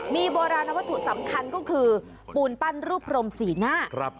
มีโบราณวัตถุสำคัญก็คือปูนปั้นรูปพรมสีหน้า